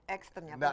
ekstern yang pada jauh